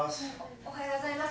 おはようございます！